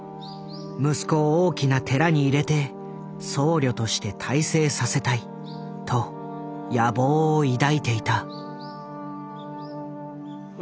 息子を大きな寺に入れて僧侶として大成させたいと野望を抱いていた。